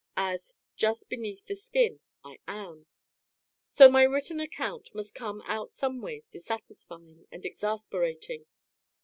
As, Just Beneath The Skin, I am. So my written account must come out someways dissatisfying and exasperating.